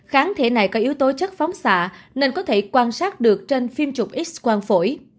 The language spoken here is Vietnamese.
kháng thể này có yếu tố chất phóng xạ nên có thể quan sát được trên phim chụp x quang phổi